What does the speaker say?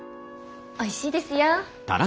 おいしいですよ。